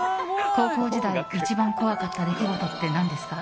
高校時代に一番怖かった出来事ってなんですか？